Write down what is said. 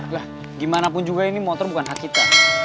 lah gimana pun juga ini motor bukan hak kita